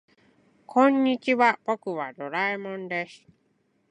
こんにちは、僕はドラえもんです。